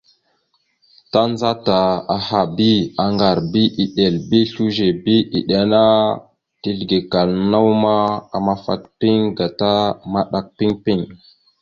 Tandzata aha bi aŋgar bi eɗel bi slʉze bi iɗeŋa ana teslekal naw ma, amafat piŋ gata maɗak piŋ piŋ.